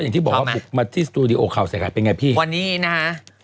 อย่างที่บอกว่าบุกมาที่สตูดิโอข่าวใส่ไข่เป็นไงพี่วันนี้นะฮะ